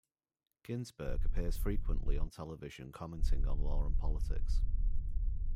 Ginsberg appears frequently on television commenting on law and politics.